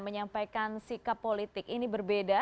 menyampaikan sikap politik ini berbeda